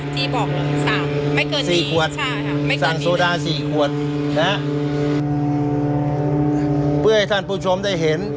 ใช่ค่ะไม่เกินนี้เลยสั่งโซดาสี่ขวดนะฮะเพื่อให้ท่านผู้ชมได้เห็น